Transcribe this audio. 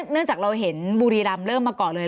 เนื่องจากเราเห็นบุรีรำเริ่มมาก่อนเลย